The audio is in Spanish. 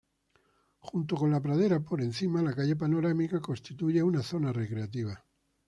Junto con la pradera por encima la calle panorámica constituye una zona recreativa.